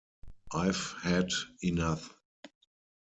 I've had enough.